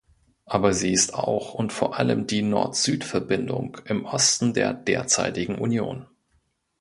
Aber sie ist auch und vor allem die Nord-Süd-Verbindung im Osten der derzeitigen Union.